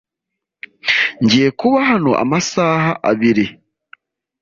Ngiye kuba hano amasaha abiri.